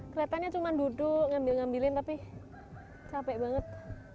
kelihatannya cuma duduk ngambil ngambilin tapi capek banget